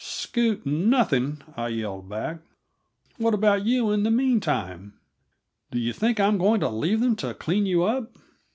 "Scoot nothing!" I yelled back. "What about you in the meantime? Do you think I'm going to leave them to clean you up?"